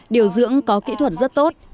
điều dưỡng có kỹ thuật rất tốt